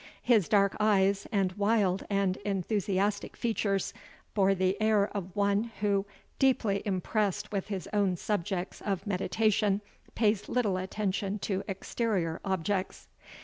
His dark eyes, and wild and enthusiastic features, bore the air of one who, deeply impressed with his own subjects of meditation, pays little attention to exterior objects.